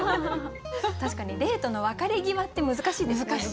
確かにデートの別れ際って難しいですよね。